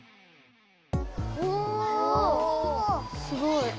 すごい。